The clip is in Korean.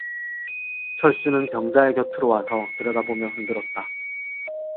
철수는 병자의 곁으로 와서 들여다보며 흔들었다.